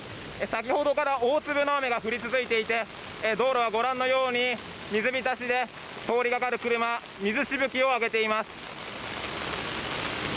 先ほどから大粒の雨が降り続いていて道路はご覧のように水浸しで通りがかる車水しぶきを上げています。